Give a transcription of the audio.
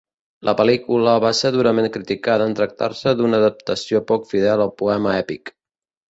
La pel·lícula va ser durament criticada en tractar-se d'una adaptació poc fidel al poema èpic.